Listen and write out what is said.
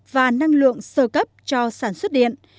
và năng lượng sơ cấp cho sản xuất điện